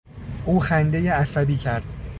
او خندهی عصبی کرد.